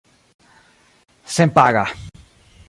senpaga